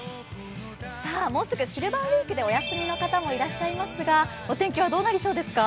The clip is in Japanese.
もうすぐシルバーウィークでお休みの方もいらっしゃいますがお天気はどうなりそうですか？